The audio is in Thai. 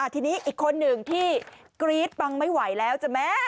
ทีนี้อีกคนหนึ่งที่กรี๊ดปังไม่ไหวแล้วจ้ะแม่